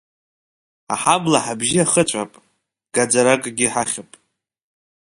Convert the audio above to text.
Аҳабла ҳабжьы ахыҵәап, гаӡаракгьы ҳахьп…